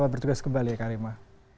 bertugas kembali eka rima